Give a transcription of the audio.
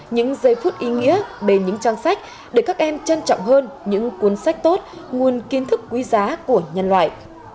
những giây phút ý nghĩa bên những trang sách để các em trân trọng hơn những cuốn sách tốt nguồn kiến thức quý giá của nhân loại